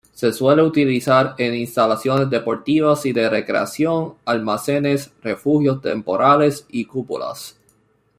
Se suele utilizar en instalaciones deportivas y de recreación, almacenes, refugios temporales y cúpulas.